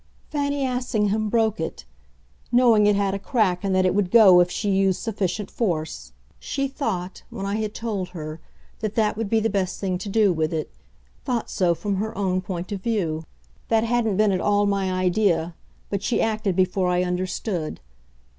"Fanny Assingham broke it knowing it had a crack and that it would go if she used sufficient force. She thought, when I had told her, that that would be the best thing to do with it thought so from her own point of view. That hadn't been at all my idea, but she acted before I understood.